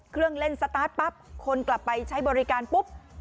เครื่องเล่นสตาร์ทปั๊บคนกลับไปใช้บริการปุ๊บ